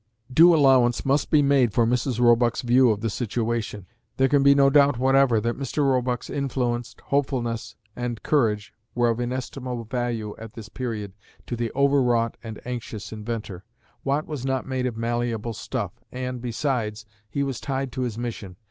Due allowance must be made for Mrs. Roebuck's view of the situation. There can be no doubt whatever, that Mr. Roebuck's influence, hopefulness and courage were of inestimable value at this period to the over wrought and anxious inventor. Watt was not made of malleable stuff, and, besides, he was tied to his mission.